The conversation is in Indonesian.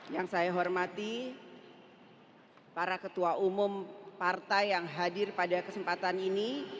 yang saya hormati para ketua umum partai yang hadir pada kesempatan ini